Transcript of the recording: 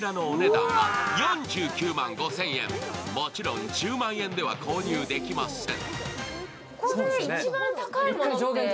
もちろん１０万円では購入できません。